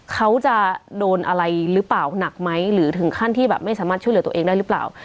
เขาจะโดนอะไรหรือเปล่าหนักไหมหรือถึงขั้นที่แบบไม่สามารถช่วยเหลือตัวเองได้หรือเปล่า